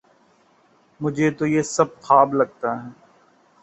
مجھے تو یہ سب خواب لگتا ہے